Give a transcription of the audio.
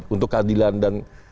untuk keadilan dan